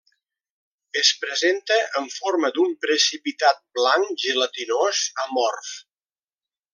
Es presenta en forma d'un precipitat blanc gelatinós amorf.